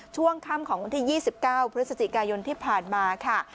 ช่วงค่ำของวันที่๒๙พฤศจิกายนที่ผ่านมาค่ะ